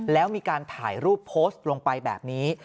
แล้วมีการถ่ายรูปโพสต์ลงไปแบบนี้